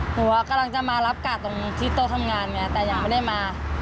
หัวกำลังจะมารับกาดตรงที่โต๊ะทำงานไงแต่ยังไม่ได้มา